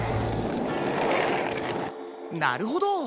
なるほど。